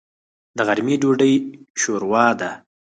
د غرمې ډوډۍ شوروا ده.